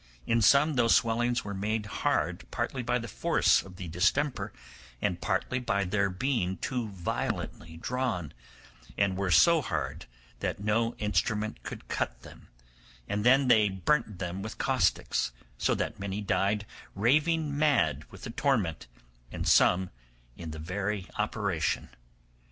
In some those swellings were made hard partly by the force of the distemper and partly by their being too violently drawn, and were so hard that no instrument could cut them, and then they burnt them with caustics, so that many died raving mad with the torment, and some in the very operation.